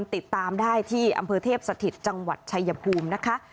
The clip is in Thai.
ติดตามได้ที่อำเภอเทพสถิตจังหวัดชายภูมินะคะ